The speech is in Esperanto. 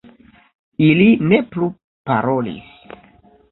Ili ne plu parolis.